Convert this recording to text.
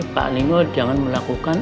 pak nino jangan melakukan